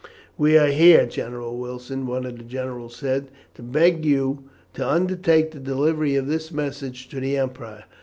"We are here, General Wilson," one of the generals said, "to beg you to undertake the delivery of this message to the Emperor.